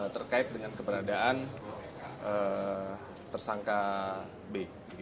terkait dengan keberadaan tersangka b